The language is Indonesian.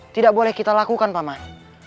tidak boleh kita lakukan paman